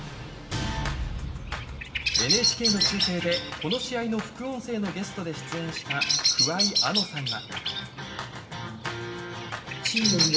ＮＨＫの中継でこの試合の副音声のゲストで出演した桑井亜乃さんは。